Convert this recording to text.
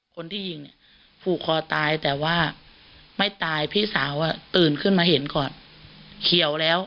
คนที่ยิงเนี่ยผูกคอตายแต่ว่าไม่ตายพี่สาวตื่นขึ้นมาเห็นก่อนเขียวแล้ว